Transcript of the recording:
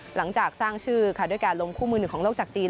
หลังจากสร้างชื่อค่ะด้วยการลงคู่มือหนึ่งของโลกจากจีน